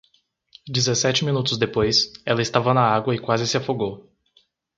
Dezessete minutos depois, ela estava na água e quase se afogou.